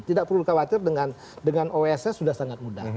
tidak perlu khawatir dengan oss sudah sangat mudah